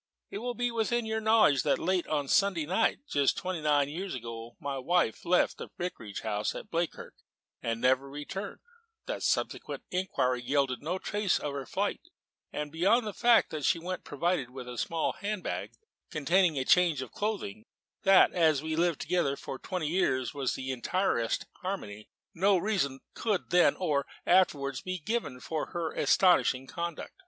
It will be within your knowledge that late on a Sunday night, just twenty nine years ago, my wife left the Vicarage house, Bleakirk, and never returned; that subsequent inquiry yielded no trace of her flight, beyond the fact that she went provided with a small hand bag containing a change of clothing; that, as we had lived together for twenty years in the entirest harmony, no reason could then, or afterwards, be given for her astonishing conduct.